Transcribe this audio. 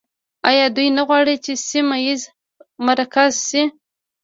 آیا دوی نه غواړي چې سیمه ییز مرکز شي؟